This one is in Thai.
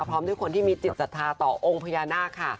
พร้อมด้วยคนที่มีจิตศรัทธาต่อองค์พญานาคค่ะ